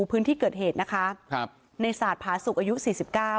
พื้นที่เกิดเหตุนะคะครับในศาสตร์ผาสุกอายุสี่สิบเก้า